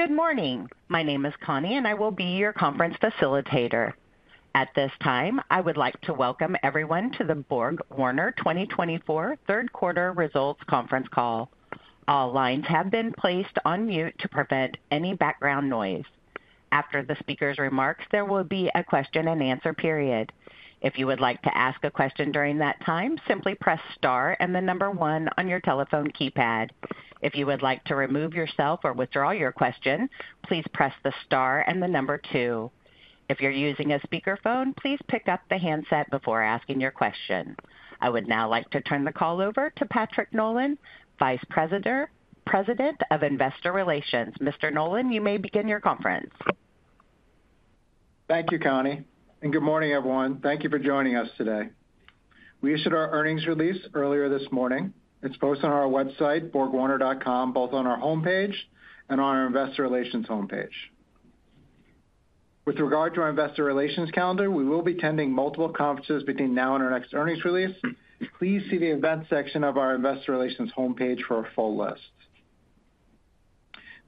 Good morning. My name is Connie, and I will be your conference facilitator. At this time, I would like to welcome everyone to the BorgWarner 2024 Third Quarter Results Conference Call. All lines have been placed on mute to prevent any background noise. After the speaker's remarks, there will be a question and answer period. If you would like to ask a question during that time, simply press star and the number one on your telephone keypad. If you would like to remove yourself or withdraw your question, please press the star and the number two. If you're using a speakerphone, please pick up the handset before asking your question. I would now like to turn the call over to Patrick Nolan, Vice President of Investor Relations. Mr. Nolan, you may begin your conference. Thank you, Connie. Good morning, everyone. Thank you for joining us today. We issued our earnings release earlier this morning. It's posted on our website, BorgWarner.com, both on our homepage and on our Investor Relations homepage. With regard to our Investor Relations calendar, we will be attending multiple conferences between now and our next earnings release. Please see the event section of our Investor Relations homepage for a full list.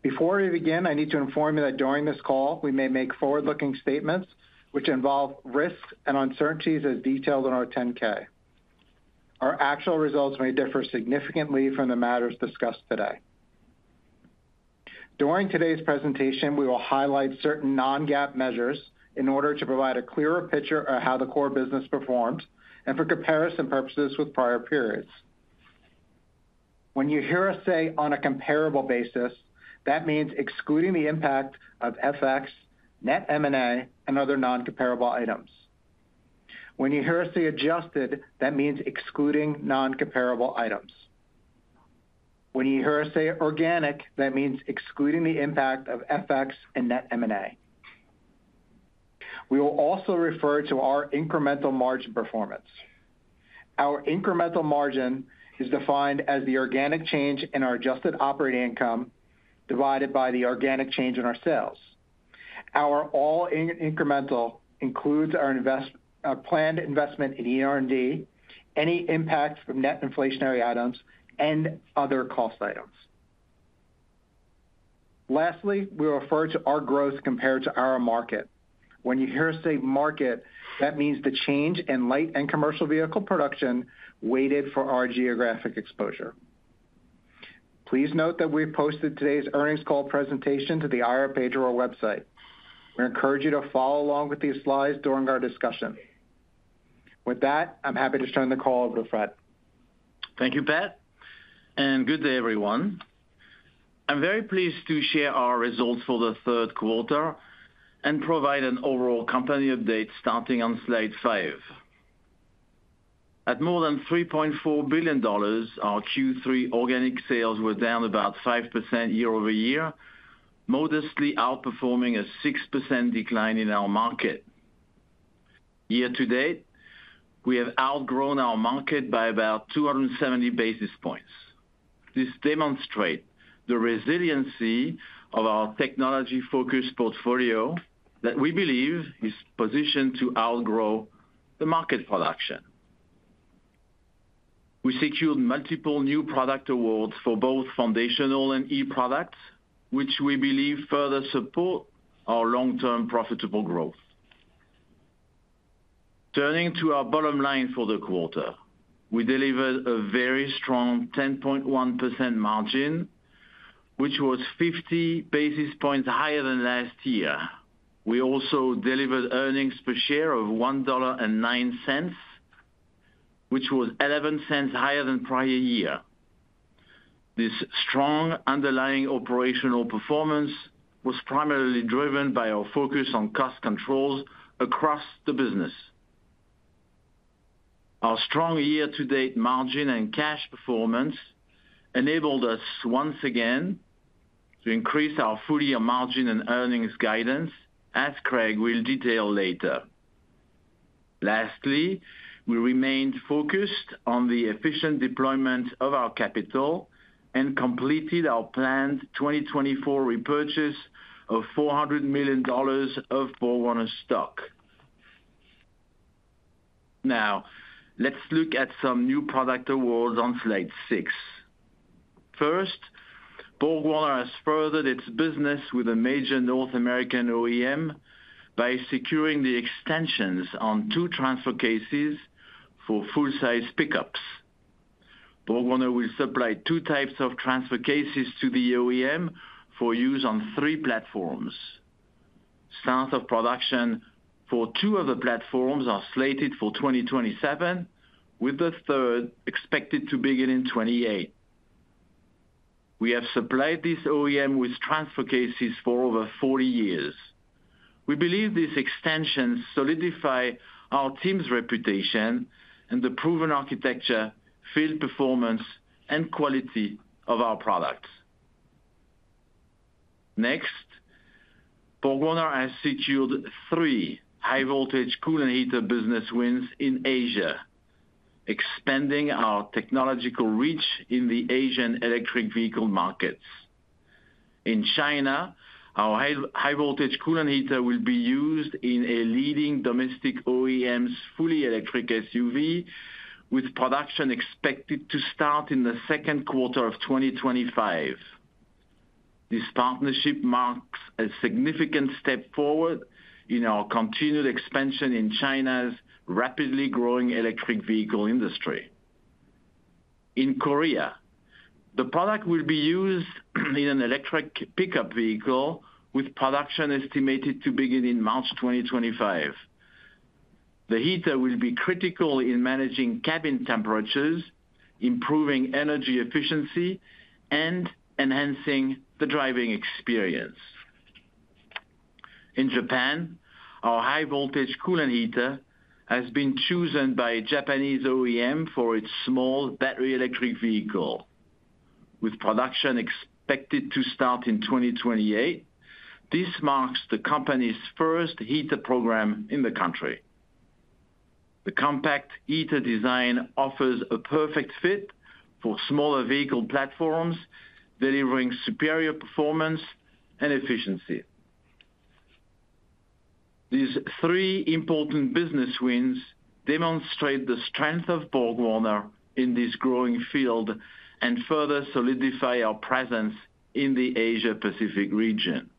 Before we begin, I need to inform you that during this call, we may make forward-looking statements which involve risks and uncertainties as detailed in our 10-K. Our actual results may differ significantly from the matters discussed today. During today's presentation, we will highlight certain non-GAAP measures in order to provide a clearer picture of how the core business performed and for comparison purposes with prior periods. When you hear us say on a comparable basis, that means excluding the impact of FX, net M&A, and other non-comparable items. When you hear us say adjusted, that means excluding non-comparable items. When you hear us say organic, that means excluding the impact of FX and net M&A. We will also refer to our incremental margin performance. Our incremental margin is defined as the organic change in our adjusted operating income divided by the organic change in our sales. Our all incremental includes our planned investment in ER&D, any impact from net inflationary items, and other cost items. Lastly, we refer to our growth compared to our market. When you hear us say market, that means the change in light and commercial vehicle production weighted for our geographic exposure. Please note that we've posted today's earnings call presentation to the IR page of our website. We encourage you to follow along with these slides during our discussion. With that, I'm happy to turn the call over to Fred. Thank you, Pat, and good day, everyone. I'm very pleased to share our results for the third quarter and provide an overall company update starting on slide five. At more than $3.4 billion, our Q3 organic sales were down about 5% year over year, modestly outperforming a 6% decline in our market. Year to date, we have outgrown our market by about 270 basis points. This demonstrates the resiliency of our technology-focused portfolio that we believe is positioned to outgrow the market production. We secured multiple new product awards for both foundational and e-products, which we believe further support our long-term profitable growth. Turning to our bottom line for the quarter, we delivered a very strong 10.1% margin, which was 50 basis points higher than last year. We also delivered earnings per share of $1.09, which was $0.11 higher than prior year. This strong underlying operational performance was primarily driven by our focus on cost controls across the business. Our strong year-to-date margin and cash performance enabled us once again to increase our full-year margin and earnings guidance, as Craig will detail later. Lastly, we remained focused on the efficient deployment of our capital and completed our planned 2024 repurchase of $400 million of BorgWarner stock. Now, let's look at some new product awards on Slide 6. First, BorgWarner has furthered its business with a major North American OEM by securing the extensions on two transfer cases for full-size pickups. BorgWarner will supply two types of transfer cases to the OEM for use on three platforms. Starts of production for two of the platforms are slated for 2027, with the third expected to begin in 2028. We have supplied this OEM with transfer cases for over 40 years. We believe these extensions solidify our team's reputation and the proven architecture, field performance, and quality of our products. Next, BorgWarner has secured three high-voltage coolant heater business wins in Asia, expanding our technological reach in the Asian electric vehicle markets. In China, our high-voltage coolant heater will be used in a leading domestic OEM's fully electric SUV, with production expected to start in the second quarter of 2025. This partnership marks a significant step forward in our continued expansion in China's rapidly growing electric vehicle industry. In Korea, the product will be used in an electric pickup vehicle, with production estimated to begin in March 2025. The heater will be critical in managing cabin temperatures, improving energy efficiency, and enhancing the driving experience. In Japan, our high-voltage coolant heater has been chosen by a Japanese OEM for its small battery electric vehicle. With production expected to start in 2028, this marks the company's first heater program in the country. The compact heater design offers a perfect fit for smaller vehicle platforms, delivering superior performance and efficiency. These three important business wins demonstrate the strength of BorgWarner in this growing field and further solidify our presence in the Asia-Pacific region.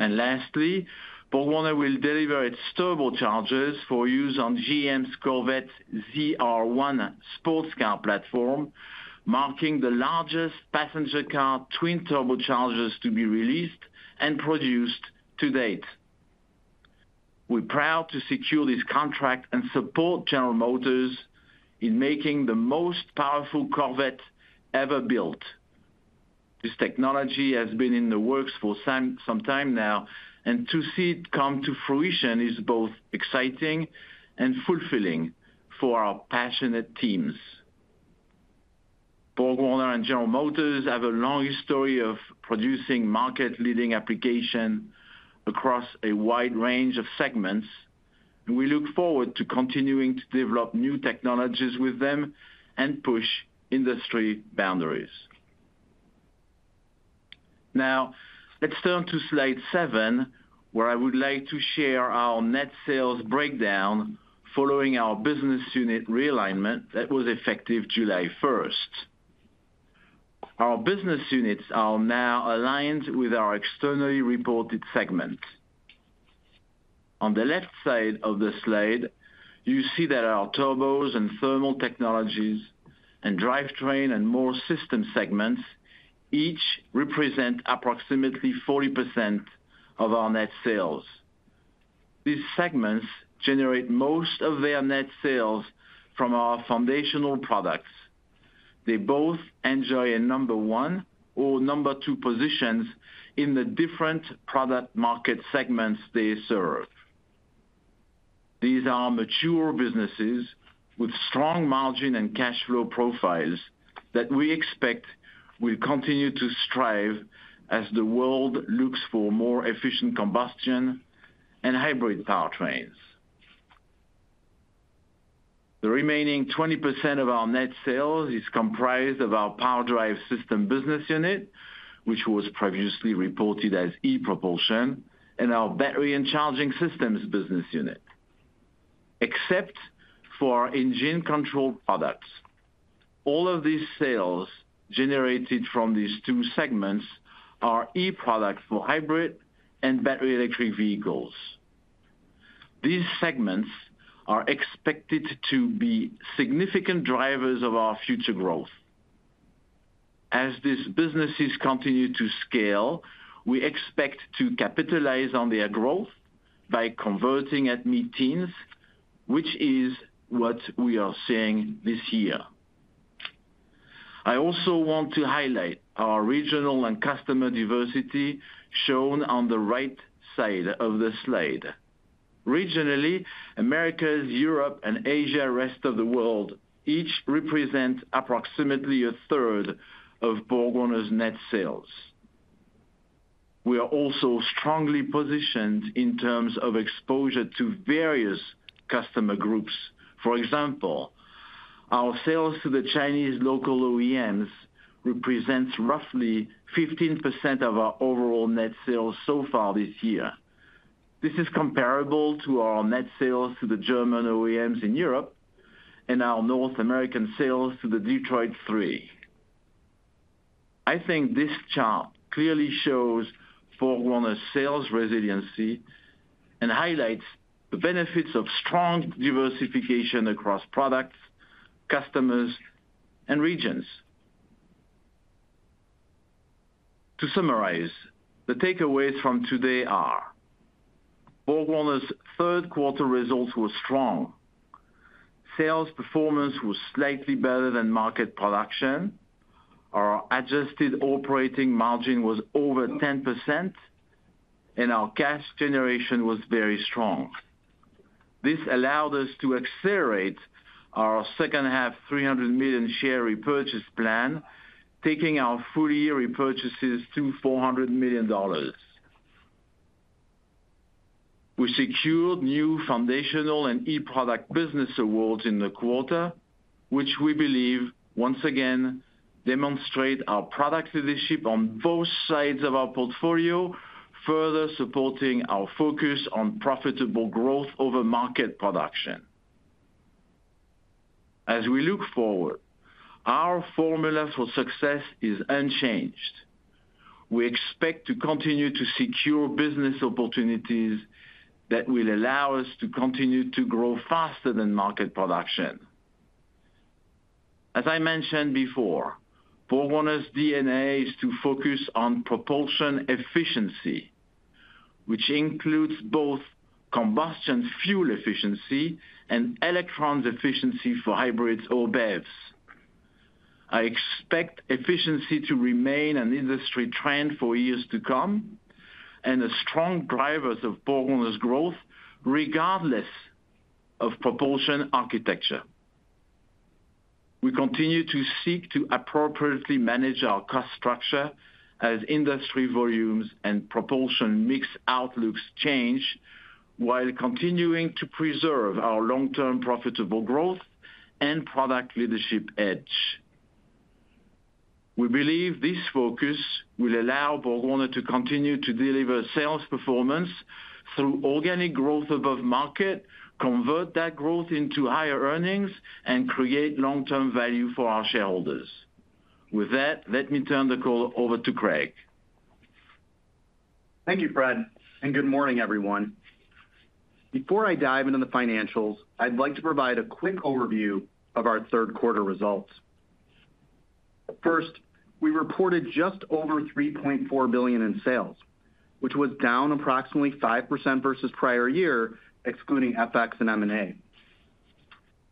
And lastly, BorgWarner will deliver its turbochargers for use on GM's Corvette ZR1 sports car platform, marking the largest passenger car twin turbochargers to be released and produced to date. We're proud to secure this contract and support General Motors in making the most powerful Corvette ever built. This technology has been in the works for some time now, and to see it come to fruition is both exciting and fulfilling for our passionate teams. BorgWarner and General Motors have a long history of producing market-leading applications across a wide range of segments, and we look forward to continuing to develop new technologies with them and push industry boundaries. Now, let's turn to Slide 7, where I would like to share our net sales breakdown following our business unit realignment that was effective July 1st. Our business units are now aligned with our externally reported segment. On the left side of the slide, you see that our Turbos & Thermal Technologies and Drivetrain & Morse Systems segments each represent approximately 40% of our net sales. These segments generate most of their net sales from our foundational products. They both enjoy a number one or number two position in the different product market segments they serve. These are mature businesses with strong margin and cash flow profiles that we expect will continue to thrive as the world looks for more efficient combustion and hybrid powertrains. The remaining 20% of our net sales is comprised of our PowerDrive Systems business unit, which was previously reported as ePropulsion, and our Battery & Charging Systems business unit, except for engine-controlled products. All of these sales generated from these two segments are e-products for hybrid and battery electric vehicles. These segments are expected to be significant drivers of our future growth. As these businesses continue to scale, we expect to capitalize on their growth by converting at mid-teens, which is what we are seeing this year. I also want to highlight our regional and customer diversity shown on the right side of the slide. Regionally, Americas, Europe, and Asia, rest of the world each represent approximately a third of BorgWarner's net sales. We are also strongly positioned in terms of exposure to various customer groups. For example, our sales to the Chinese local OEMs represent roughly 15% of our overall net sales so far this year. This is comparable to our net sales to the German OEMs in Europe and our North American sales to the Detroit Three. I think this chart clearly shows BorgWarner's sales resiliency and highlights the benefits of strong diversification across products, customers, and regions. To summarize, the takeaways from today are: BorgWarner's third quarter results were strong. Sales performance was slightly better than market production. Our adjusted operating margin was over 10%, and our cash generation was very strong. This allowed us to accelerate our second-half $300 million share repurchase plan, taking our full-year repurchases to $400 million. We secured new foundational and e-product business awards in the quarter, which we believe once again demonstrate our product leadership on both sides of our portfolio, further supporting our focus on profitable growth over market production. As we look forward, our formula for success is unchanged. We expect to continue to secure business opportunities that will allow us to continue to grow faster than market production. As I mentioned before, BorgWarner's DNA is to focus on propulsion efficiency, which includes both combustion fuel efficiency and electron efficiency for hybrids or BEVs. I expect efficiency to remain an industry trend for years to come and a strong driver of BorgWarner's growth regardless of propulsion architecture. We continue to seek to appropriately manage our cost structure as industry volumes and propulsion mix outlooks change while continuing to preserve our long-term profitable growth and product leadership edge. We believe this focus will allow BorgWarner to continue to deliver sales performance through organic growth above market, convert that growth into higher earnings, and create long-term value for our shareholders. With that, let me turn the call over to Craig. Thank you, Fred, and good morning, everyone. Before I dive into the financials, I'd like to provide a quick overview of our third quarter results. First, we reported just over $3.4 billion in sales, which was down approximately 5% versus prior year, excluding FX and M&A.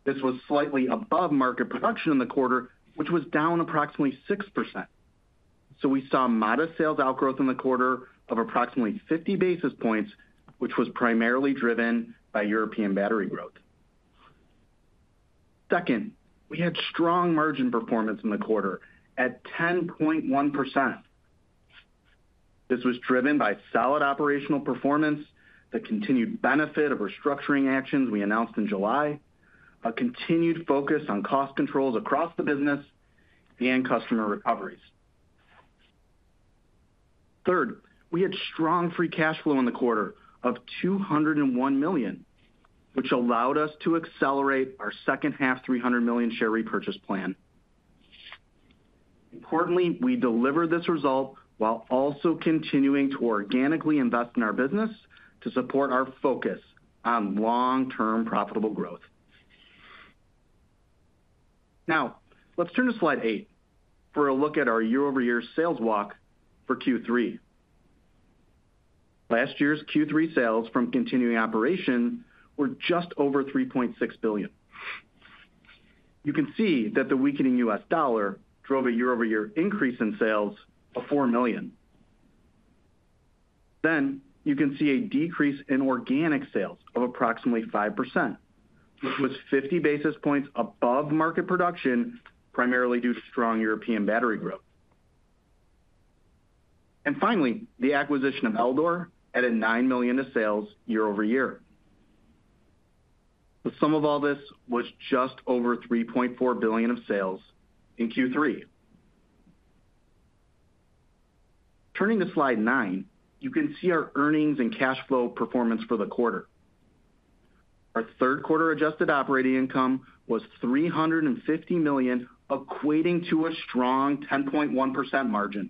This was slightly above market production in the quarter, which was down approximately 6%. So we saw modest sales outgrowth in the quarter of approximately 50 basis points, which was primarily driven by European battery growth. Second, we had strong margin performance in the quarter at 10.1%. This was driven by solid operational performance, the continued benefit of restructuring actions we announced in July, a continued focus on cost controls across the business, and customer recoveries. Third, we had strong free cash flow in the quarter of $201 million, which allowed us to accelerate our second-half $300 million share repurchase plan. Importantly, we delivered this result while also continuing to organically invest in our business to support our focus on long-term profitable growth. Now, let's turn to Slide 8 for a look at our year over year sales walk for Q3. Last year's Q3 sales from continuing operations were just over $3.6 billion. You can see that the weakening U.S. dollar drove a year over year increase in sales of $4 million, then, you can see a decrease in organic sales of approximately 5%, which was 50 basis points above market production, primarily due to strong European battery growth, and finally, the acquisition of Eldor added $9 million to sales year over year. The sum of all this was just over $3.4 billion of sales in Q3. Turning to Slide 9, you can see our earnings and cash flow performance for the quarter. Our third quarter adjusted operating income was $350 million, equating to a strong 10.1% margin.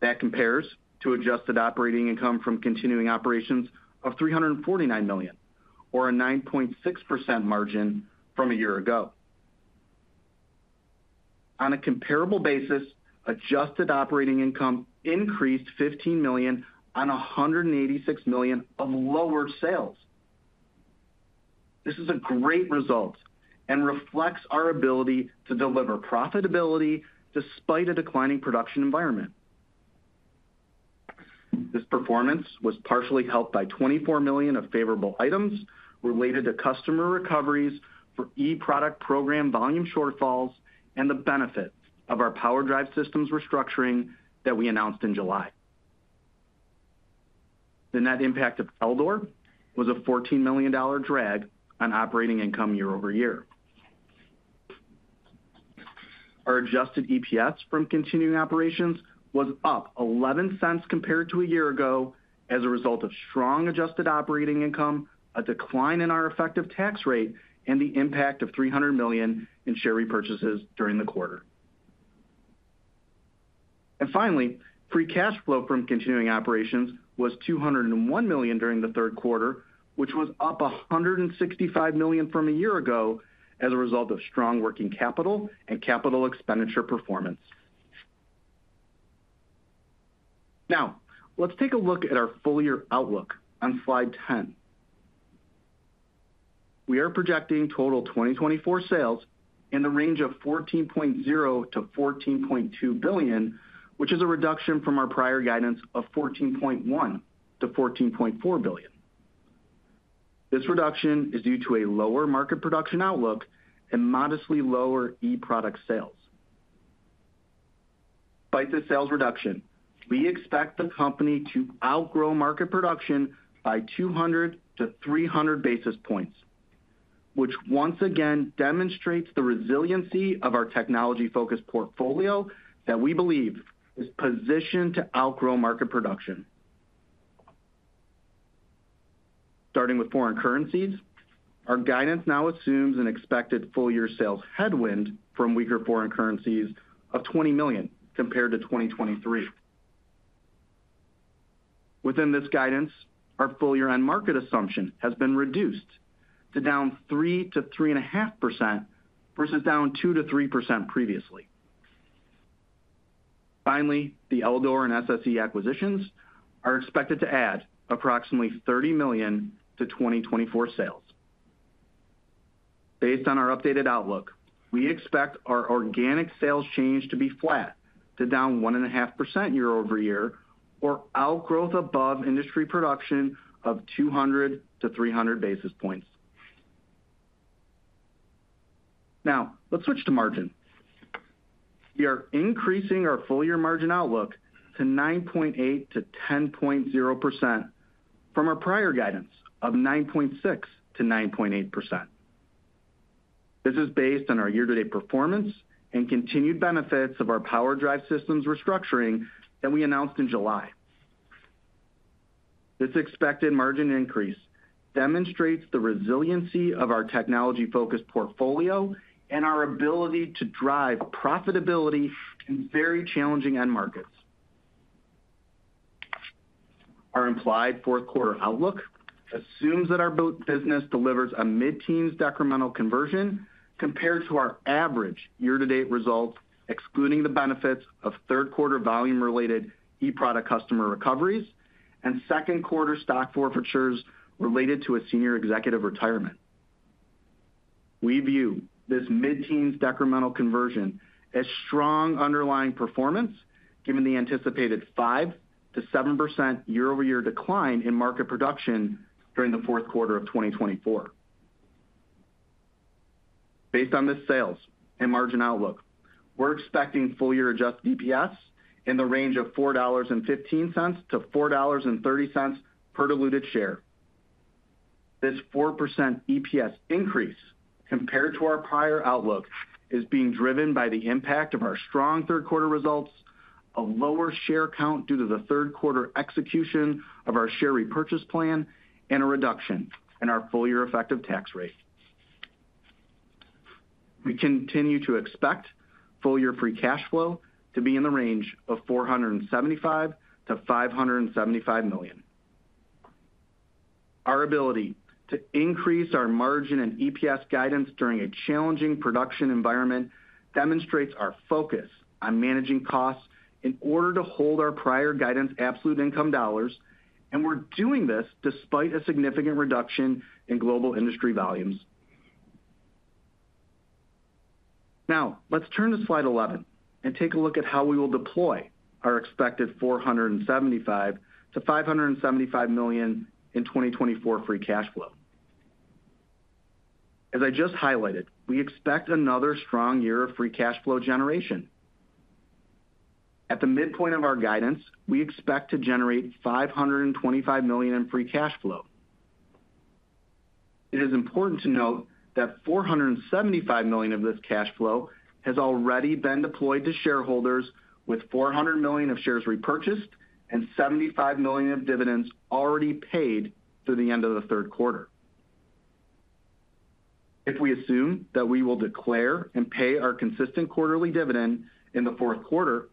That compares to adjusted operating income from continuing operations of $349 million, or a 9.6% margin from a year ago. On a comparable basis, adjusted operating income increased $15 million on $186 million of lower sales. This is a great result and reflects our ability to deliver profitability despite a declining production environment. This performance was partially helped by $24 million of favorable items related to customer recoveries for e-product program volume shortfalls and the benefit of our PowerDrive Systems restructuring that we announced in July. The net impact of Eldor was a $14 million drag on operating income year over year. Our adjusted EPS from continuing operations was up $0.11 compared to a year ago as a result of strong adjusted operating income, a decline in our effective tax rate, and the impact of $300 million in share repurchases during the quarter. And finally, free cash flow from continuing operations was $201 million during the third quarter, which was up $165 million from a year ago as a result of strong working capital and capital expenditure performance. Now, let's take a look at our full-year outlook on Slide 10. We are projecting total 2024 sales in the range of $14.0 to $14.2 billion, which is a reduction from our prior guidance of $14.1 to $14.4 billion. This reduction is due to a lower market production outlook and modestly lower e-product sales. Despite this sales reduction, we expect the company to outgrow market production by 200 to 300 basis points, which once again demonstrates the resiliency of our technology-focused portfolio that we believe is positioned to outgrow market production. Starting with foreign currencies, our guidance now assumes an expected full-year sales headwind from weaker foreign currencies of $20 million compared to 2023. Within this guidance, our full-year end market assumption has been reduced to down 3% to 3.5% versus down 2% to 3% previously. Finally, the Eldor and SSE acquisitions are expected to add approximately $30 million to 2024 sales. Based on our updated outlook, we expect our organic sales change to be flat to down 1.5% year over year or outgrowth above industry production of 200 to 300 basis points. Now, let's switch to margin. We are increasing our full-year margin outlook to 9.8% to 10.0% from our prior guidance of 9.6% to 9.8%. This is based on our year-to-date performance and continued benefits of our PowerDrive Systems restructuring that we announced in July. This expected margin increase demonstrates the resiliency of our technology-focused portfolio and our ability to drive profitability in very challenging end markets. Our implied fourth quarter outlook assumes that our business delivers a mid-teens decremental conversion compared to our average year-to-date results, excluding the benefits of third quarter volume-related e-product customer recoveries and second quarter stock forfeitures related to a senior executive retirement. We view this mid-teens decremental conversion as strong underlying performance, given the anticipated 5% to 7% year over year decline in market production during the fourth quarter of 2024. Based on this sales and margin outlook, we're expecting full-year adjusted EPS in the range of $4.15 to $4.30 per diluted share. This 4% EPS increase compared to our prior outlook is being driven by the impact of our strong third quarter results, a lower share count due to the third quarter execution of our share repurchase plan, and a reduction in our full-year effective tax rate. We continue to expect full-year free cash flow to be in the range of $475 million to $575 million. Our ability to increase our margin and EPS guidance during a challenging production environment demonstrates our focus on managing costs in order to hold our prior guidance absolute income dollars, and we're doing this despite a significant reduction in global industry volumes. Now, let's turn to Slide 11 and take a look at how we will deploy our expected $475 million to $575 million in 2024 free cash flow. As I just highlighted, we expect another strong year of free cash flow generation. At the midpoint of our guidance, we expect to generate $525 million in free cash flow. It is important to note that $475 million of this cash flow has already been deployed to shareholders, with $400 million of shares repurchased and $75 million of dividends already paid through the end of the third quarter. If we assume that we will declare and pay our consistent quarterly dividend in the fourth quarter,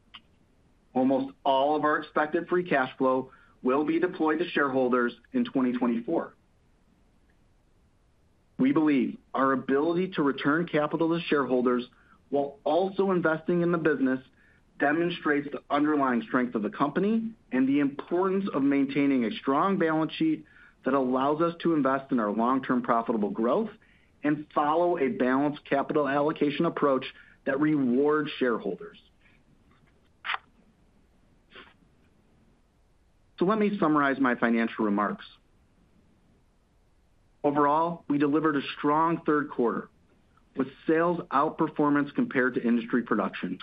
almost all of our expected free cash flow will be deployed to shareholders in 2024. We believe our ability to return capital to shareholders while also investing in the business demonstrates the underlying strength of the company and the importance of maintaining a strong balance sheet that allows us to invest in our long-term profitable growth and follow a balanced capital allocation approach that rewards shareholders. So let me summarize my financial remarks. Overall, we delivered a strong third quarter with sales outperformance compared to industry production.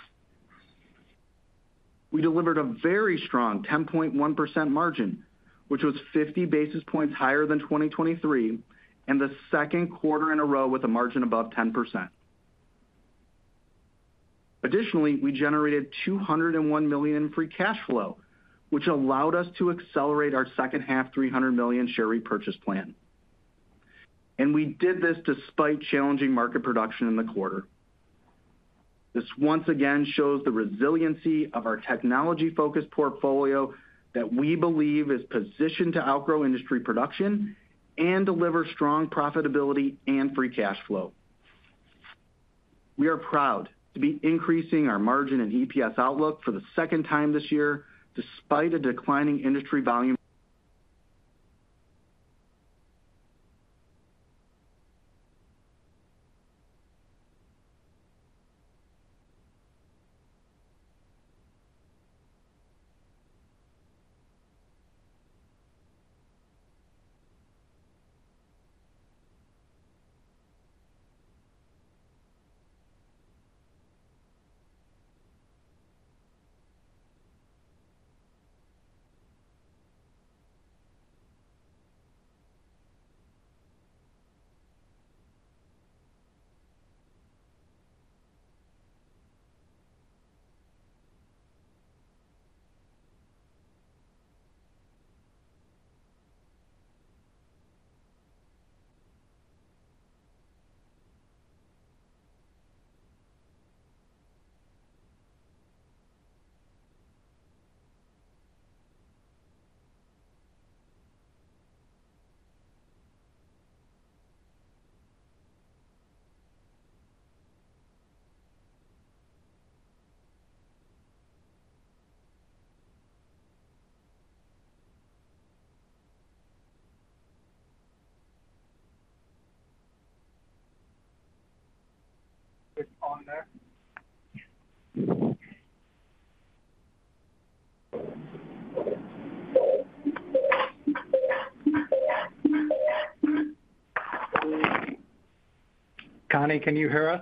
We delivered a very strong 10.1% margin, which was 50 basis points higher than 2023, and the second quarter in a row with a margin above 10%. Additionally, we generated $201 million in free cash flow, which allowed us to accelerate our second-half $300 million share repurchase plan. And we did this despite challenging market production in the quarter. This once again shows the resiliency of our technology-focused portfolio that we believe is positioned to outgrow industry production and deliver strong profitability and free cash flow. We are proud to be increasing our margin and EPS outlook for the second time this year, despite a declining industry volume. Connie, can you hear us?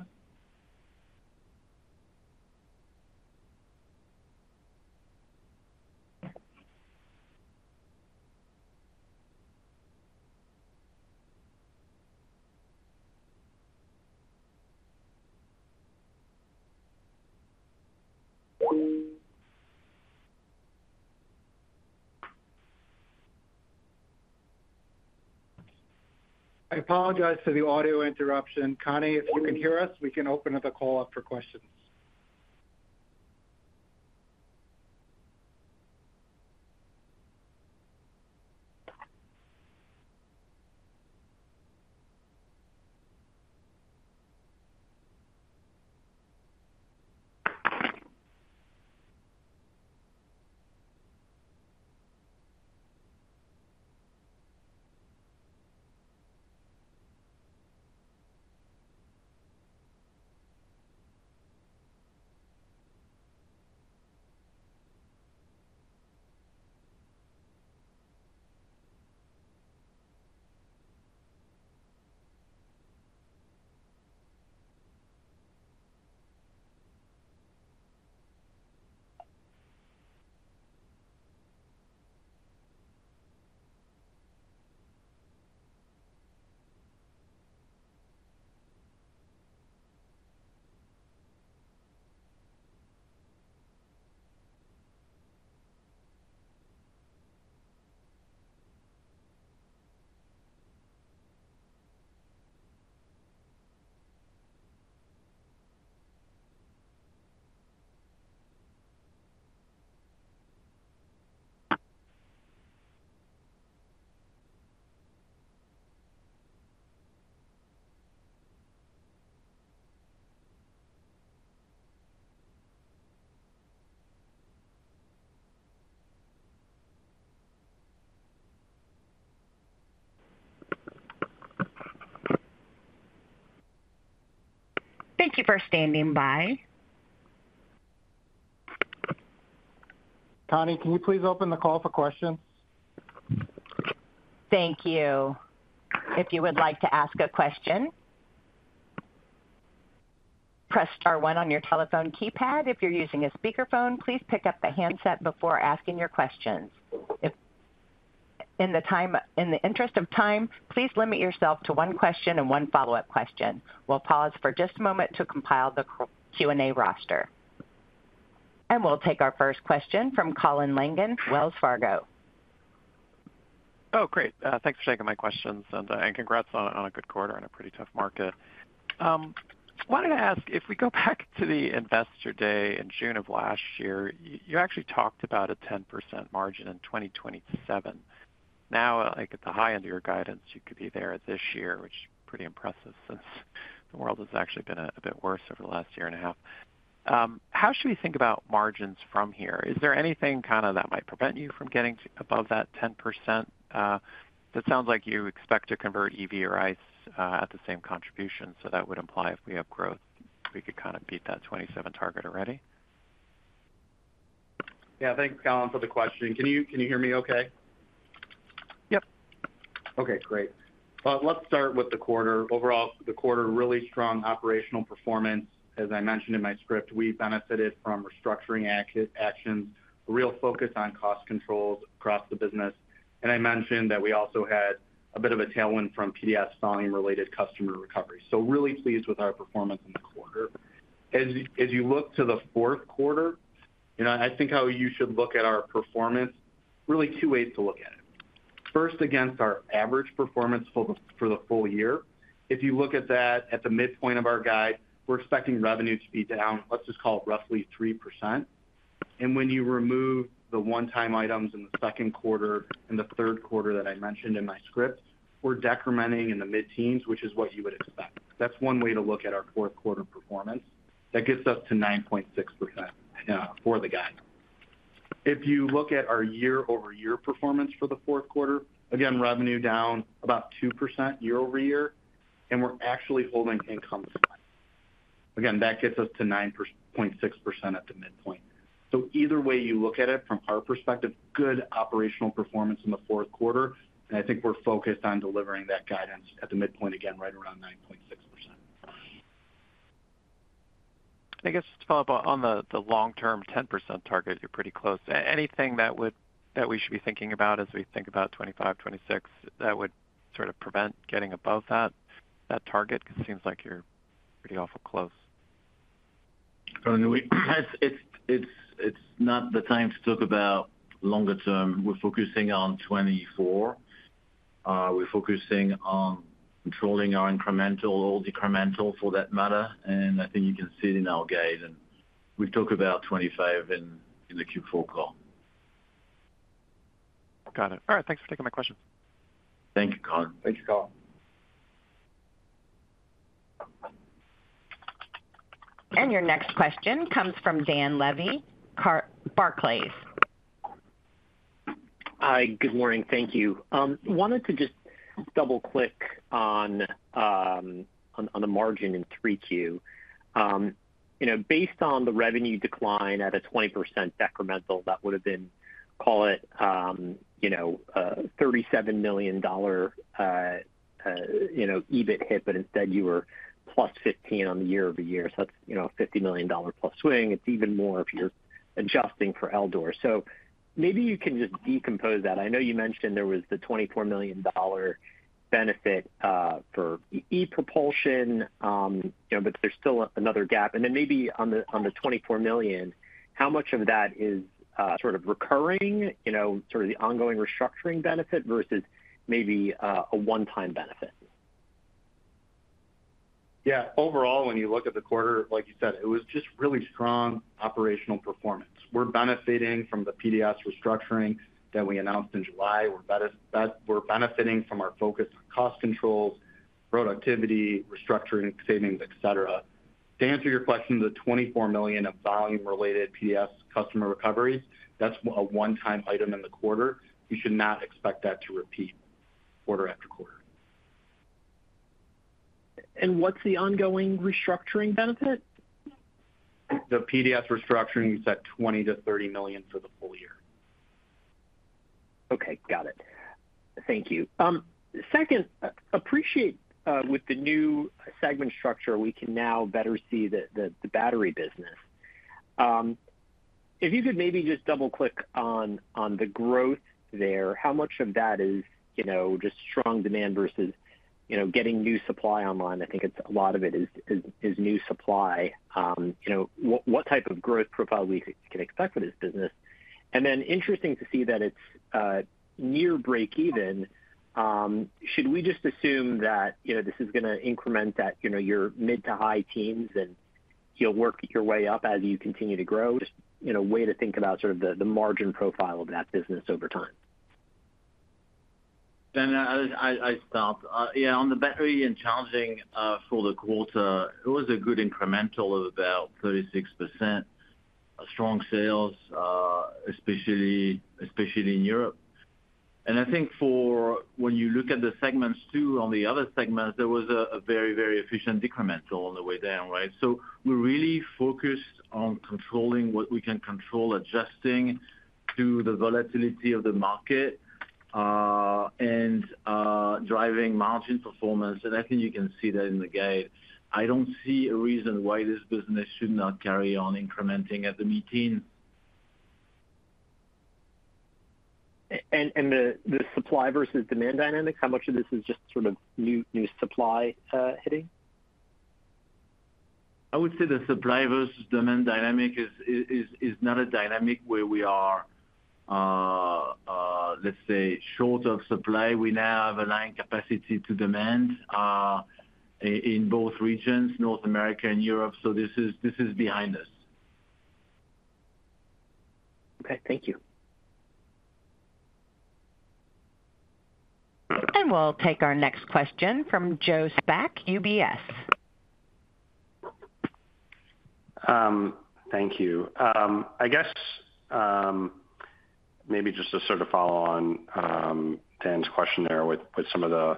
I apologize for the audio interruption. Connie, if you can hear us, we can open up the call up for questions. Thank you for standing by. Connie, can you please open the call for questions? Thank you. If you would like to ask a question, press star one on your telephone keypad. If you're using a speakerphone, please pick up the handset before asking your questions. In the interest of time, please limit yourself to one question and one follow-up question. We'll pause for just a moment to compile the Q and A roster. We'll take our first question from Colin Langan, Wells Fargo. Oh, great. Thanks for taking my questions and congrats on a good quarter and a pretty tough market. I wanted to ask, if we go back to the Investor Day in June of last year, you actually talked about a 10% margin in 2027. Now, at the high end of your guidance, you could be there this year, which is pretty impressive since the world has actually been a bit worse over the last year and a half. How should we think about margins from here? Is there anything kind of that might prevent you from getting above that 10%? It sounds like you expect to convert EV or ICE at the same contribution, so that would imply if we have growth, we could kind of beat that 27 target already. Yeah, thanks, Colin, for the question. Can you hear me okay? Yep. Okay, great. Well, let's start with the quarter. Overall, the quarter, really strong operational performance. As I mentioned in my script, we benefited from restructuring actions, a real focus on cost controls across the business, and I mentioned that we also had a bit of a tailwind from PDS volume-related customer recovery, so really pleased with our performance in the quarter. As you look to the fourth quarter, I think how you should look at our performance, really two ways to look at it. First, against our average performance for the full year, if you look at that at the midpoint of our guide, we're expecting revenue to be down, let's just call it roughly 3%. And when you remove the one-time items in the second quarter and the third quarter that I mentioned in my script, we're decrementing in the mid-teens, which is what you would expect. That's one way to look at our fourth quarter performance. That gets us to 9.6% for the guide. If you look at our year over year performance for the fourth quarter, again, revenue down about 2% year over year, and we're actually holding income flat. Again, that gets us to 9.6% at the midpoint. So either way you look at it from our perspective, good operational performance in the fourth quarter, and I think we're focused on delivering that guidance at the midpoint again, right around 9.6%. I guess just to follow up on the long-term 10% target, you're pretty close. Anything that we should be thinking about as we think about 25, 26 that would sort of prevent getting above that target? It seems like you're pretty awfully close. It's not the time to talk about longer term. We're focusing on 24. We're focusing on controlling our incremental, or decremental for that matter. And I think you can see it in our guide. And we've talked about 25 in the Q4 call. Got it. All right. Thanks for taking my question. Thank you, Colin. Thanks, Colin. And your next question comes from Dan Levy, Barclays. Hi, good morning. Thank you. I wanted to just double-click on the margin in 3Q. Based on the revenue decline at a 20% decremental, that would have been, call it $37 million EBIT hit, but instead you were plus 15 on the year over year. So that's $50 million plus swing. It's even more if you're adjusting for Eldor. So maybe you can just decompose that. I know you mentioned there was the $24 million benefit for ePropulsion, but there's still another gap. And then maybe on the $24 million, how much of that is sort of recurring, sort of the ongoing restructuring benefit versus maybe a one-time benefit? Yeah. Overall, when you look at the quarter, like you said, it was just really strong operational performance. We're benefiting from the PDS restructuring that we announced in July. We're benefiting from our focus on cost controls, productivity, restructuring, savings, etc. To answer your question, the $24 million of volume-related PDS customer recoveries, that's a one-time item in the quarter. You should not expect that to repeat quarter after quarter. And what's the ongoing restructuring benefit? The PDS restructuring, you said 20 to 30 million for the full year. Okay. Got it. Thank you. Second, I appreciate that with the new segment structure, we can now better see the battery business. If you could maybe just double-click on the growth there, how much of that is just strong demand versus getting new supply online? I think a lot of it is new supply. What type of growth profile can we expect for this business? And then it's interesting to see that it's near break-even. Should we just assume that this is going to increment your mid- to high-teens and you'll work your way up as you continue to grow? Just a way to think about sort of the margin profile of that business over time. Then I stopped. Yeah, on the battery and charging for the quarter, it was a good incremental of about 36%, strong sales, especially in Europe. I think when you look at the segments too, on the other segments, there was a very, very efficient decremental on the way down, right? So we're really focused on controlling what we can control, adjusting to the volatility of the market, and driving margin performance. And I think you can see that in the guide. I don't see a reason why this business should not carry on incrementing at the mid-teens. And the supply versus demand dynamic, how much of this is just sort of new supply hitting? I would say the supply versus demand dynamic is not a dynamic where we are, let's say, short of supply. We now have a line capacity to demand in both regions, North America and Europe. So this is behind us. Okay. Thank you. And we'll take our next question from Joe Spack, UBS. Thank you. I guess maybe just to sort of follow on Dan's question there with some of the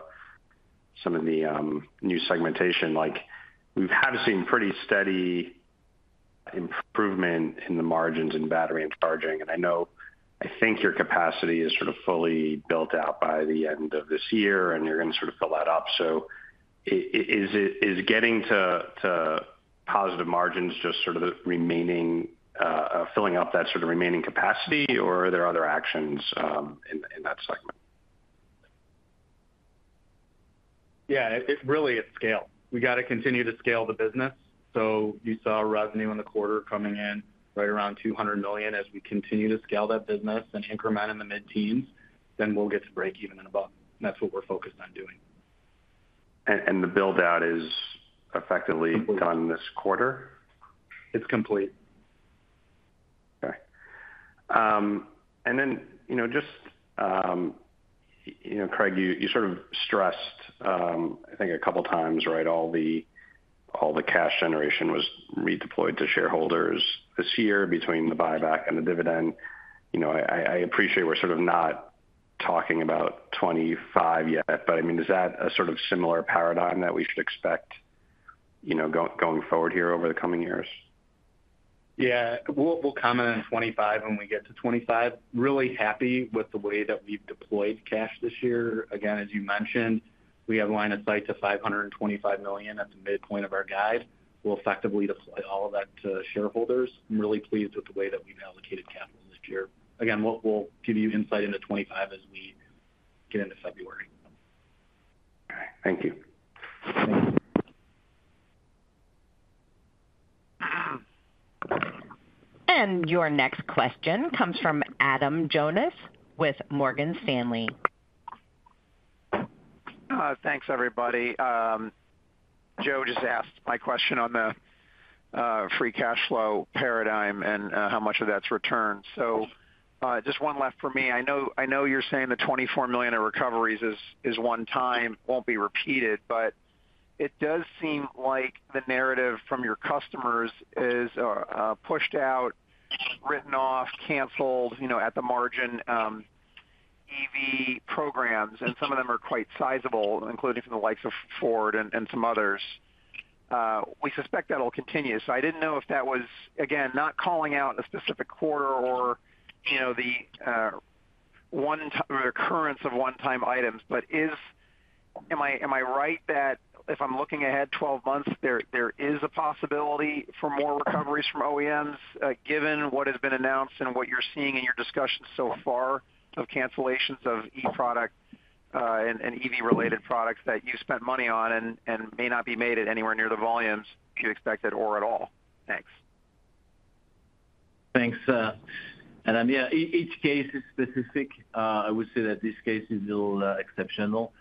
new segmentation. We've had to see pretty steady improvement in the margins in battery and charging. And I think your capacity is sort of fully built out by the end of this year, and you're going to sort of fill that up. So is getting to positive margins just sort of filling up that sort of remaining capacity, or are there other actions in that segment? Yeah, really it's scale. We got to continue to scale the business. So you saw revenue in the quarter coming in right around $200 million. As we continue to scale that business and incremental in the mid-teens, then we'll get to break-even and above. And that's what we're focused on doing. And the build-out is effectively done this quarter? It's complete. Okay. And then just, Craig, you sort of stressed, I think, a couple of times, right? All the cash generation was redeployed to shareholders this year between the buyback and the dividend. I appreciate we're sort of not talking about 25 yet, but I mean, is that a sort of similar paradigm that we should expect going forward here over the coming years? Yeah. We'll comment on 25 when we get to 25. Really happy with the way that we've deployed cash this year. Again, as you mentioned, we have line of sight to $525 million at the midpoint of our guide. We'll effectively deploy all of that to shareholders. I'm really pleased with the way that we've allocated capital this year. Again, we'll give you insight into 25 as we get into February. Okay. Thank you. And your next question comes from Adam Jonas with Morgan Stanley. Thanks, everybody. Joe just asked my question on the free cash flow paradigm and how much of that's returned. So just one left for me. I know you're saying the $24 million of recoveries is one time, won't be repeated, but it does seem like the narrative from your customers is pushed out, written off, canceled at the margin EV programs. And some of them are quite sizable, including from the likes of Ford and some others. We suspect that'll continue. So I didn't know if that was, again, not calling out a specific quarter or the recurrence of one-time items, but am I right that if I'm looking ahead 12 months, there is a possibility for more recoveries from OEMs given what has been announced and what you're seeing in your discussion so far of cancellations of e-product and EV-related products that you spent money on and may not be made at anywhere near the volumes you expected or at all? Thanks. Thanks. And yeah, each case is specific. I would say that this case is a little exceptional.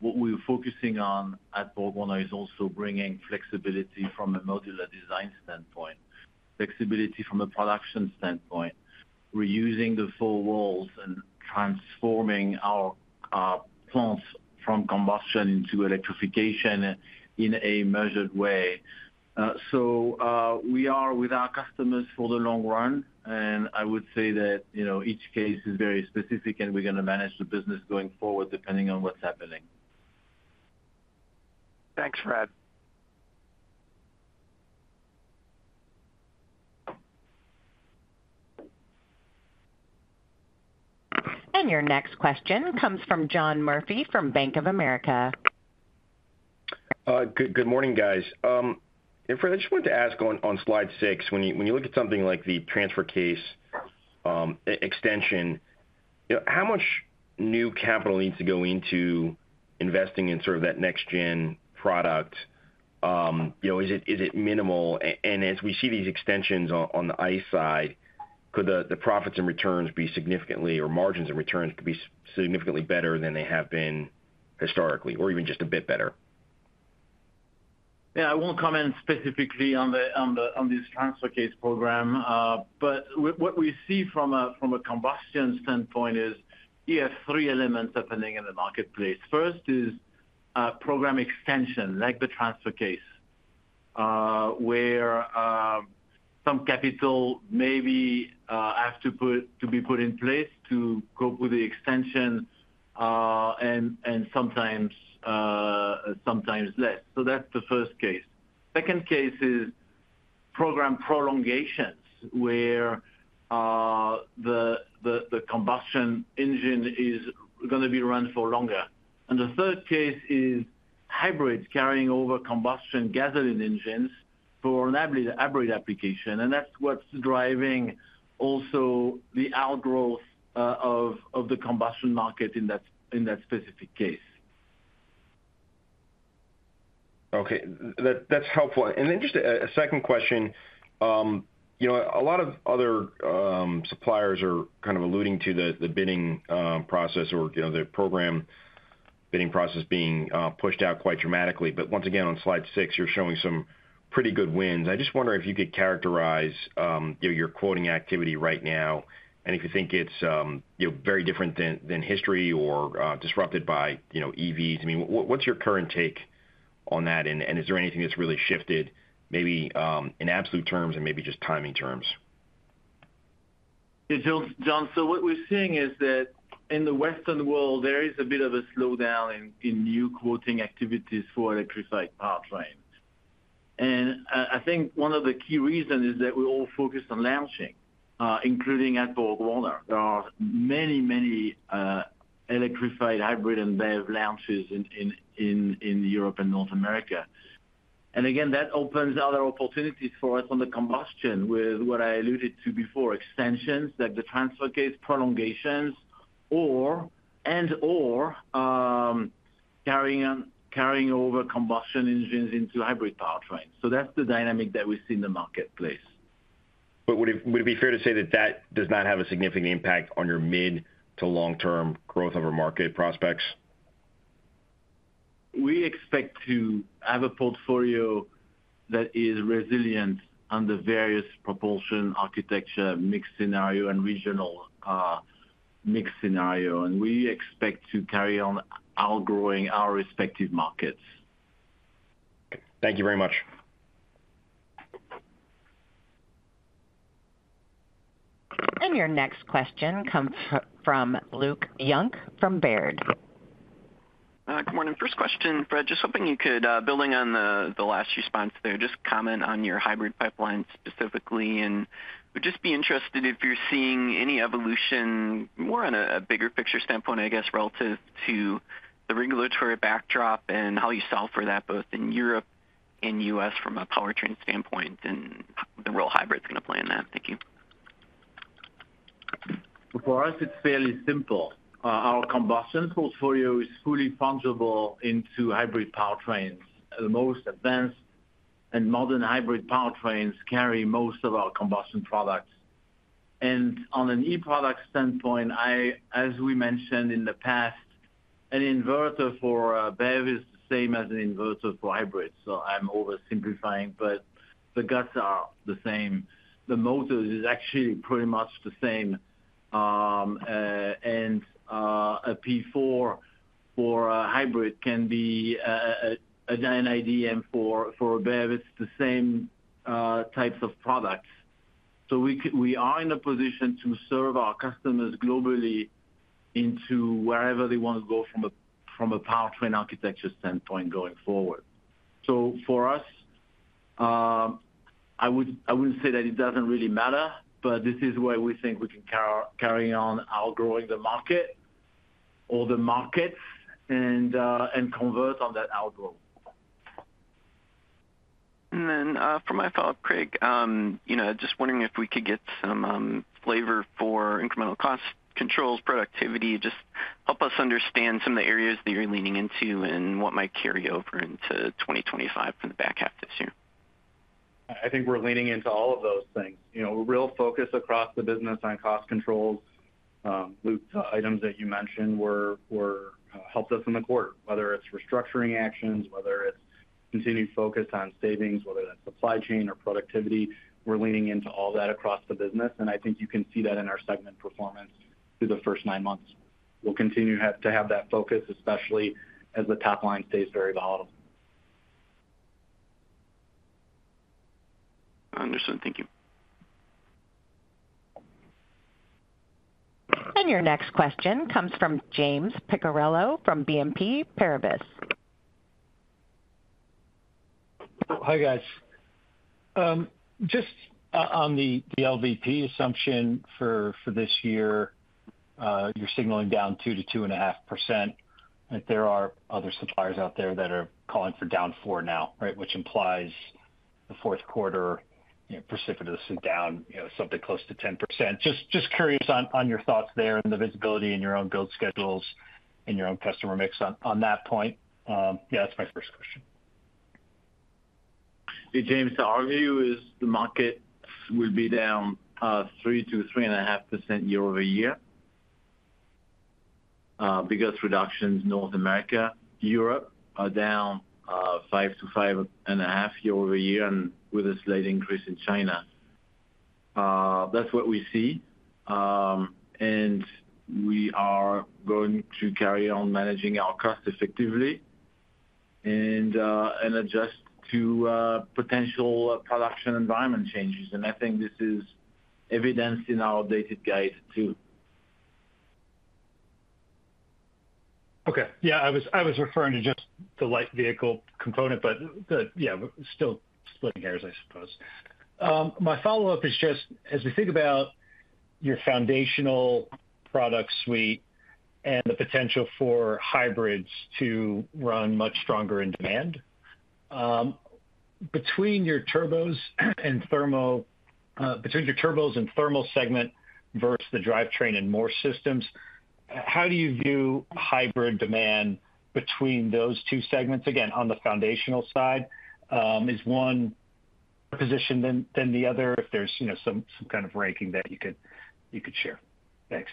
What we're focusing on at BorgWarner is also bringing flexibility from a modular design standpoint, flexibility from a production standpoint. We're using the four walls and transforming our plants from combustion into electrification in a measured way. So we are with our customers for the long run. I would say that each case is very specific, and we're going to manage the business going forward depending on what's happening. Thanks, Fred. Your next question comes from John Murphy from Bank of America. Good morning, guys. Fred, I just wanted to ask on Slide 6, when you look at something like the transfer case extension, how much new capital needs to go into investing in sort of that next-gen product? Is it minimal? And as we see these extensions on the ICE side, could the profits and returns be significantly, or margins and returns could be significantly better than they have been historically, or even just a bit better? Yeah, I won't comment specifically on this transfer case program. But what we see from a combustion standpoint is, yeah, three elements happening in the marketplace. First is program extension, like the transfer case, where some capital may have to be put in place to cope with the extension and sometimes less. So that's the first case. Second case is program prolongations where the combustion engine is going to be run for longer. And the third case is hybrids carrying over combustion gasoline engines for a hybrid application. And that's what's driving also the outgrowth of the combustion market in that specific case. Okay. That's helpful and interesting, a second question. A lot of other suppliers are kind of alluding to the bidding process or the program bidding process being pushed out quite dramatically. But once again, on Slide 6, you're showing some pretty good wins. I just wonder if you could characterize your quoting activity right now, and if you think it's very different than history or disrupted by EVs. I mean, what's your current take on that? And is there anything that's really shifted, maybe in absolute terms and maybe just timing terms? Yeah, John, so what we're seeing is that in the Western world, there is a bit of a slowdown in new quoting activities for electrified powertrains. And I think one of the key reasons is that we're all focused on launching, including at BorgWarner. There are many, many electrified hybrid and BEV launches in Europe and North America. And again, that opens other opportunities for us on the combustion with what I alluded to before, extensions, like the transfer case prolongations, and/or carrying over combustion engines into hybrid powertrains. So that's the dynamic that we see in the marketplace. But would it be fair to say that that does not have a significant impact on your mid- to long-term growth of our market prospects? We expect to have a portfolio that is resilient under various propulsion architecture, mixed scenario, and regional mixed scenario. We expect to carry on outgrowing our respective markets. Thank you very much. Your next question comes from Luke Junk from Baird. Good morning. First question, Fred, just hoping you could, building on the last response there, just comment on your hybrid pipeline specifically. Would just be interested if you're seeing any evolution more on a bigger picture standpoint, I guess, relative to the regulatory backdrop and how you solve for that both in Europe and U.S. from a powertrain standpoint and the role hybrids are going to play in that. Thank you. For us, it's fairly simple. Our combustion portfolio is fully fungible into hybrid powertrains. The most advanced and modern hybrid powertrains carry most of our combustion products. And on an e-product standpoint, as we mentioned in the past, an inverter for a BEV is the same as an inverter for hybrid. So I'm oversimplifying, but the guts are the same. The motor is actually pretty much the same. And a P4 for a hybrid can be an IDM for a BEV. It's the same types of products. So we are in a position to serve our customers globally into wherever they want to go from a powertrain architecture standpoint going forward. So for us, I wouldn't say that it doesn't really matter, but this is where we think we can carry on outgrowing the market or the markets and convert on that outgrowth. And then for my follow-up, Craig, just wondering if we could get some flavor for incremental cost controls, productivity. Just help us understand some of the areas that you're leaning into and what might carry over into 2025 from the back half this year? I think we're leaning into all of those things. Real focus across the business on cost controls. Items that you mentioned helped us in the quarter, whether it's restructuring actions, whether it's continued focus on savings, whether that's supply chain or productivity. We're leaning into all that across the business. And I think you can see that in our segment performance through the first nine months. We'll continue to have that focus, especially as the top line stays very volatile. Understood. Thank you. And your next question comes from James Picariello from BNP Paribas. Hi, guys. Just on the LVP assumption for this year, you're signaling down 2% to 2.5%. There are other suppliers out there that are calling for down 4% now, right, which implies the fourth quarter precipitously down something close to 10%. Just curious on your thoughts there and the visibility in your own build schedules and your own customer mix on that point. Yeah, that's my first question. James, our view is the market will be down 3 to 3.5% year over year because reductions in North America, Europe are down 5 to 5.5% year over year and with a slight increase in China. That's what we see. And we are going to carry on managing our costs effectively and adjust to potential production environment changes. And I think this is evidenced in our updated guide too. Okay. Yeah, I was referring to just the light vehicle component, but yeah, still splitting hairs, I suppose. My follow-up is just, as we think about your foundational product suite and the potential for hybrids to run much stronger in demand, between your turbos and thermal segment versus the Drivetrain & Morse Systems, how do you view hybrid demand between those two segments? Again, on the foundational side, is one better positioned than the other, if there's some kind of ranking that you could share. Thanks.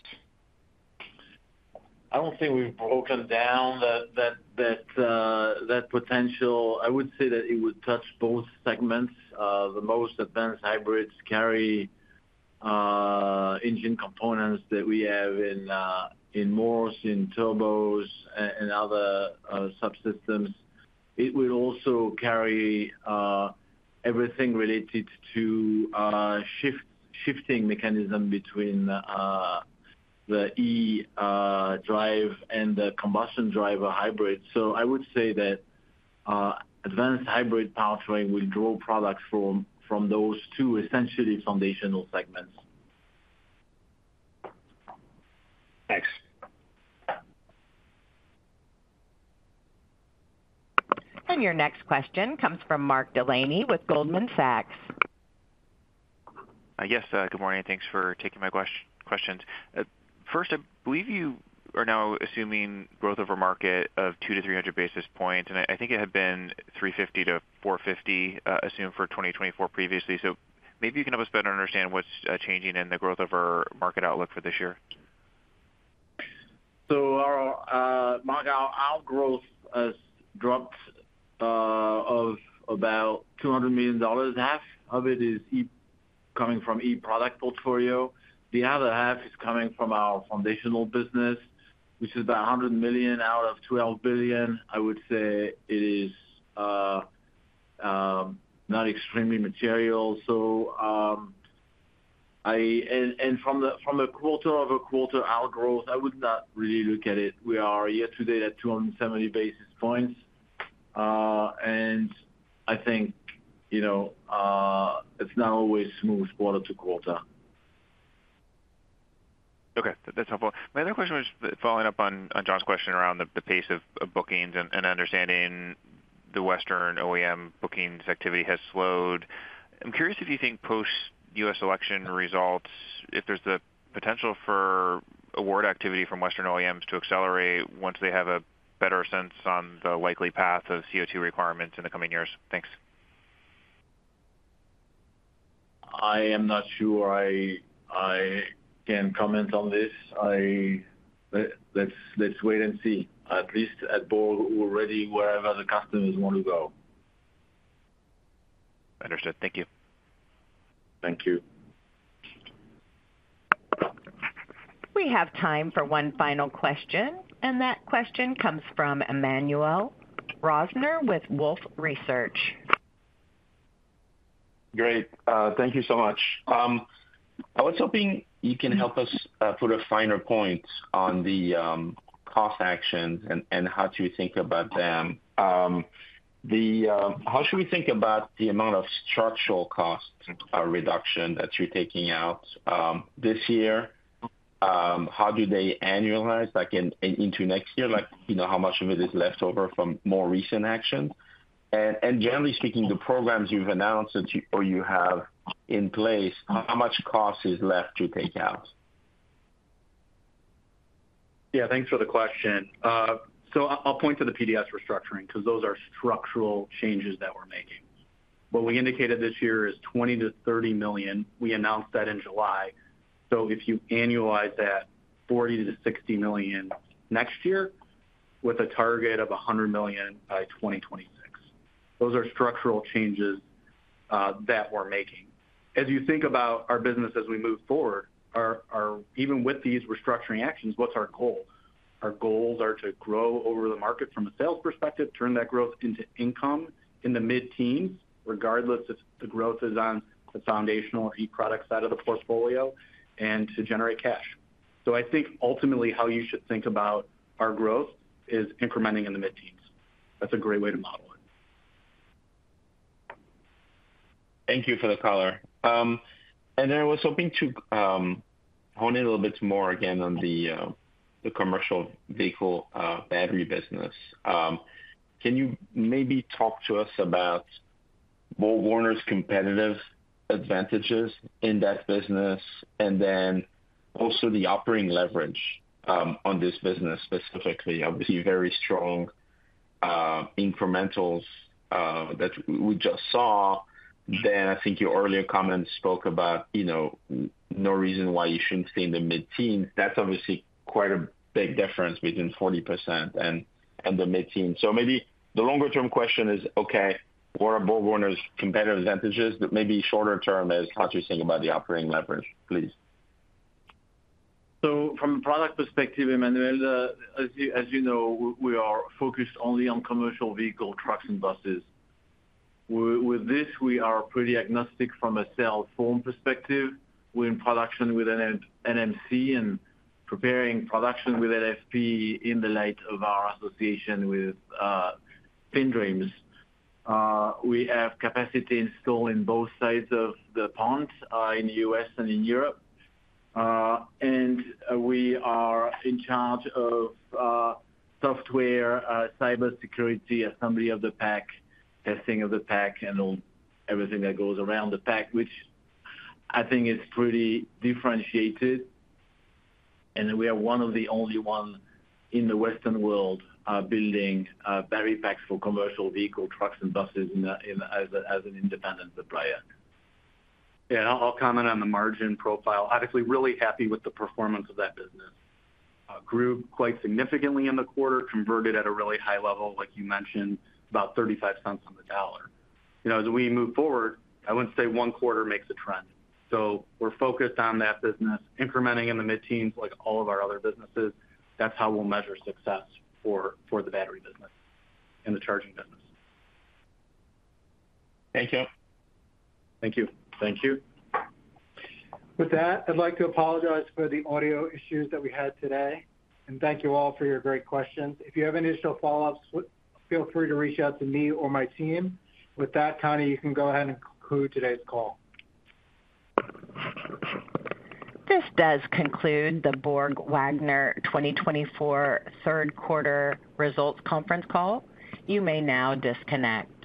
I don't think we've broken down that potential. I would say that it would touch both segments. The most advanced hybrids carry engine components that we have in Morse, in Turbos, and other subsystems. It will also carry everything related to shifting mechanism between the e-drive and the combustion-driven hybrid. So I would say that advanced hybrid powertrain will draw products from those two essentially foundational segments. Thanks. And your next question comes from Mark Delaney with Goldman Sachs. I guess, good morning. Thanks for taking my questions. First, I believe you are now assuming growth of our market of 200 to 300 basis points. And I think it had been 350 to 450 basis points assumed for 2024 previously. So maybe you can help us better understand what's changing in the growth of our market outlook for this year. So our growth has dropped off about $200 million. Half of it is coming from e-product portfolio. The other half is coming from our foundational business, which is about $100 million out of $12 billion. I would say it is not extremely material. And from a quarter-over-quarter outgrowth, I would not really look at it. We are year-to-date at 270 basis points. And I think it's not always smooth quarter to quarter. Okay. That's helpful. My other question was following up on John's question around the pace of bookings and understanding the Western OEM bookings activity has slowed. I'm curious if you think post-U.S. election results, if there's the potential for award activity from Western OEMs to accelerate once they have a better sense on the likely path of CO2 requirements in the coming years. Thanks. I am not sure I can comment on this. Let's wait and see, at least at BorgWarner ready, wherever the customers want to go. Understood. Thank you. Thank you. We have time for one final question. That question comes from Emmanuel Rosner with Wolfe Research. Great. Thank you so much. I was hoping you can help us put a finer point on the cost actions and how to think about them. How should we think about the amount of structural cost reduction that you're taking out this year? How do they annualize into next year? How much of it is left over from more recent actions? And generally speaking, the programs you've announced or you have in place, how much cost is left to take out? Yeah, thanks for the question. So I'll point to the PDS restructuring because those are structural changes that we're making. What we indicated this year is $20to $30 million. We announced that in July. So if you annualize that $40 to $60 million next year with a target of $100 million by 2026, those are structural changes that we're making. As you think about our business as we move forward, even with these restructuring actions, what's our goal? Our goals are to grow over the market from a sales perspective, turn that growth into income in the mid-teens, regardless if the growth is on the foundational or e-product side of the portfolio, and to generate cash. So I think ultimately how you should think about our growth is incrementing in the mid-teens. That's a great way to model it. Thank you for the color. And then I was hoping to hone in a little bit more again on the commercial vehicle battery business. Can you maybe talk to us about BorgWarner's competitive advantages in that business and then also the operating leverage on this business specifically? Obviously, very strong incrementals that we just saw. Then I think your earlier comments spoke about no reason why you shouldn't stay in the mid-teens. That's obviously quite a big difference between 40% and the mid-teens. So maybe the longer-term question is, okay, what are BorgWarner's competitive advantages? But maybe shorter term is how to think about the operating leverage, please. So from a product perspective, Emmanuel, as you know, we are focused only on commercial vehicle trucks and buses. With this, we are pretty agnostic from a sales form perspective. We're in production with NMC and preparing production with LFP in the light of our association with FinDreams. We have capacity installed in both sides of the pond in the U.S. and in Europe. And we are in charge of software, cybersecurity, assembly of the pack, testing of the pack, and everything that goes around the pack, which I think is pretty differentiated. And we are one of the only ones in the Western world building battery packs for commercial vehicle trucks and buses as an independent supplier. Yeah, I'll comment on the margin profile. Obviously, really happy with the performance of that business. Grew quite significantly in the quarter, converted at a really high level, like you mentioned, about $0.35 on the dollar. As we move forward, I wouldn't say one quarter makes a trend. So we're focused on that business, incrementing in the mid-teens like all of our other businesses. That's how we'll measure success for the battery business and the charging business. Thank you. Thank you. Thank you. With that, I'd like to apologize for the audio issues that we had today, and thank you all for your great questions. If you have any additional follow-ups, feel free to reach out to me or my team. With that, Connie, you can go ahead and conclude today's call. This does conclude the BorgWarner 2024 third quarter results conference call. You may now disconnect.